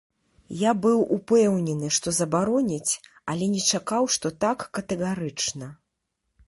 Я быў упэўнены, што забароняць, але не чакаў, што так катэгарычна.